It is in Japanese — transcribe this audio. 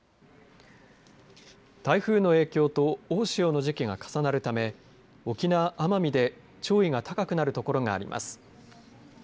台風の影響と大潮の時期が重なるため沖縄・奄美で潮位が高くなる所があります。